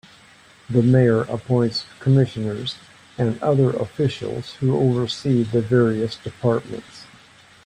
The mayor appoints commissioners and other officials who oversee the various departments.